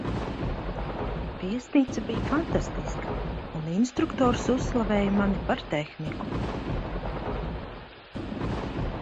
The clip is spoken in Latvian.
Viesnīca bija fantastiska, un instruktors uzslavēja mani par tehniku.